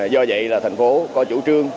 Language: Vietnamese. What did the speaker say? do vậy là thành phố có chủ trương